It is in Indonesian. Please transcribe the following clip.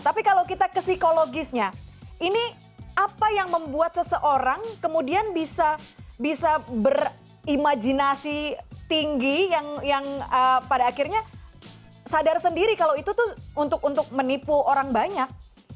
tapi kalau kita ke psikologisnya ini apa yang membuat seseorang kemudian bisa berimajinasi tinggi yang pada akhirnya sadar sendiri kalau itu tuh untuk menipu orang banyak